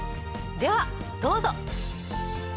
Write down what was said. ではどうぞ。